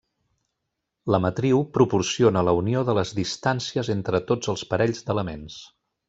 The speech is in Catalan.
La matriu proporciona la unió de les distàncies entre tots els parells d'elements.